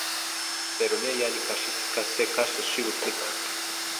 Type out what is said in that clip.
Pero neh ya nicaxitis casi se caxtol xiuitl nican.